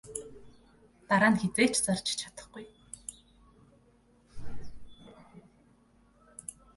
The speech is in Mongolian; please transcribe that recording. Дараа нь хэзээ ч зарж чадахгүй.